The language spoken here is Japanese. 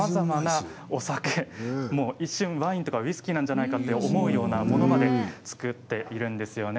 一瞬、ワインやウイスキーなんじゃないかと思うようなものまで造っているんですよね。